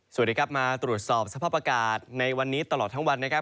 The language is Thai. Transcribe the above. สวัสดีครับมาตรวจสอบสภาพอากาศในวันนี้ตลอดทั้งวันนะครับ